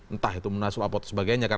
entah itu munaslup apa sebagainya